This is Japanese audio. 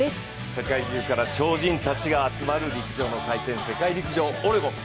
世界中から超人たちが集まる陸上の祭典、世界陸上オレゴン。